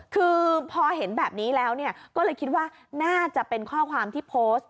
คือพอเห็นแบบนี้แล้วก็เลยคิดว่าน่าจะเป็นข้อความที่โพสต์